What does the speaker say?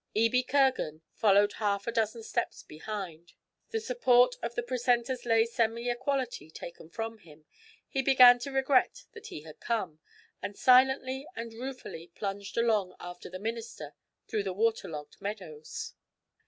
Ebie Kirgan followed half a dozen steps behind. The support of the precentor's lay semi equality taken from him, he began to regret that he had come, and silently and ruefully plunged along after the minister through the waterlogged meadows.